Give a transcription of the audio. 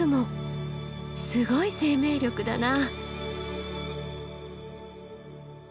すごい生命力だな。